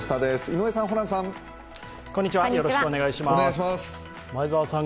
井上さん、ホランさん。